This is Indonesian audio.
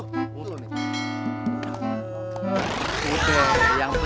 ntar seperti yang penting bener yang ada